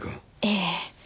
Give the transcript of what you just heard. ええ。